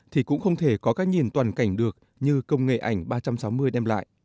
thì cũng không thể có cái nhìn toàn cảnh được như công nghệ ảnh ba trăm sáu mươi đem lại